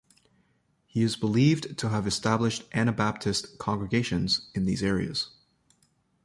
He is believed to have established Anabaptist congregations in these areas.